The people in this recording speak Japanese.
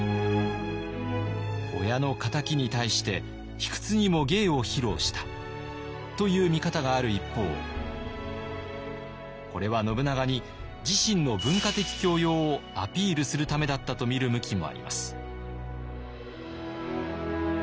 親の敵に対して卑屈にも芸を披露したという見方がある一方これは信長に自身の文化的教養をアピールするためだったとみる向きもあります。